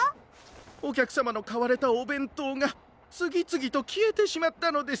おきゃくさまのかわれたおべんとうがつぎつぎときえてしまったのです。